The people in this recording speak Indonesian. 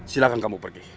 silahkan kamu pergi